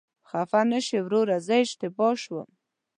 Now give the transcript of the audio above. خفه نشې وروره، زه اشتباه شوم.